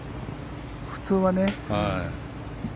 普通はね。